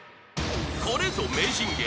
［これぞ名人芸］